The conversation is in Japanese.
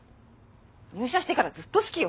入社してからずっと好きよ。